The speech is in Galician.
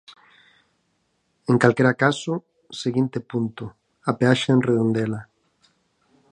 En calquera caso, seguinte punto: a peaxe en Redondela.